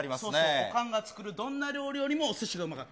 おかんが作るどんな料理よりもおすしがうまかった。